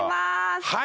はい！